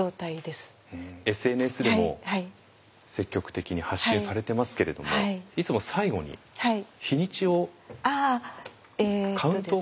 ＳＮＳでも積極的に発信されてますけれどもいつも最後に日にちをカウントを書いてますよね。